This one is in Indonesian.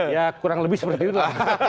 ya kurang lebih seperti itulah